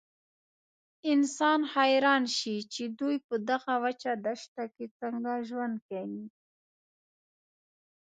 انسان حیران شي چې دوی په دغه وچه دښته کې څنګه ژوند کوي.